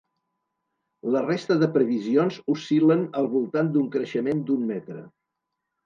La resta de previsions oscil·len al voltant d’un creixement d’un metre.